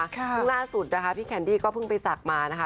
ซึ่งน่าสุดพี่แคนดี้ก็เพิ่งไปสักมานะคะ